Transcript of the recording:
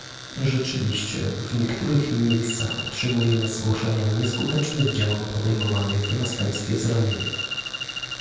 Rzeczywiście w niektórych miejscach otrzymujemy zgłoszenia nieskutecznych działań podejmowanych w następstwie zranienia